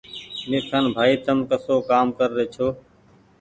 ميرخآن ڀآئي تم ڪسو ڪآم ڪر رهي ڇو